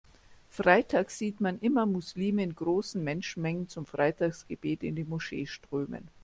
Freitags sieht man immer Muslime in großen Menschenmengen zum Freitagsgebet in die Moschee strömen.